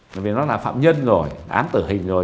bởi vì nó là phạm nhân rồi án tử hình rồi